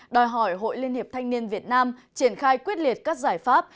đòi hỏi hội liên hiệp thanh niên việt nam triển khai quyết liệt các giải pháp